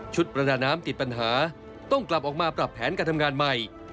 ประดาน้ำติดปัญหาต้องกลับออกมาปรับแผนการทำงานใหม่